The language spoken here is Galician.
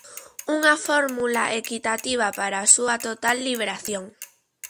Unha fórmula equitativa para a súa total liberación.